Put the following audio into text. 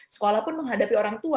sekolah pun menghadapi orang tua